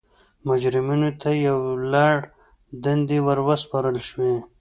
مجرمینو ته یو لړ دندې ور وسپارل شوې.